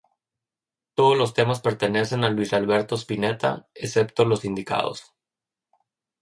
Todos los temas pertenecen a Luis Alberto Spinetta, excepto los indicados.